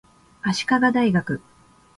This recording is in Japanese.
足利大学